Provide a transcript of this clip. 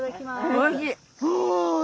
おいしい！